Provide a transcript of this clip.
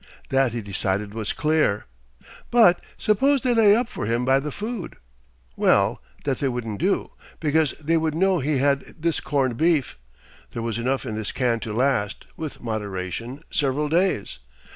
That he decided was clear. But suppose they lay up for him by the food. Well, that they wouldn't do, because they would know he had this corned beef; there was enough in this can to last, with moderation, several days.